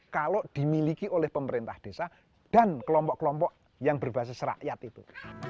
kalau dimiliki oleh pemerintah desa dan kelompok kelompok yang berbasis rakyat itu